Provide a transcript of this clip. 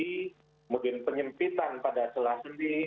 kemudian penyempitan pada celah sendi